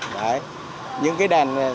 đấy những cái đèn